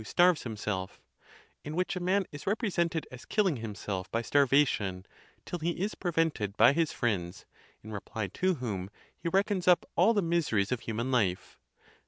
starves himself," in which a man is represented as killing himself by starvation, till he is prevented by his friends, in reply to whom he reckons up all the miseries of human life.